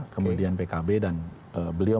kemudian pkb dan beliau